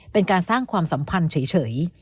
เป็นการสร้างความสัมพันธ์เฉย